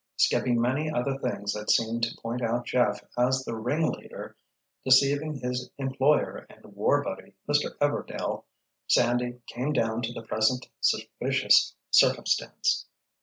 Skipping many other things that seemed to point out Jeff as the ringleader, deceiving his employer and war buddy, Mr. Everdail, Sandy came down to the present suspicious circumstance.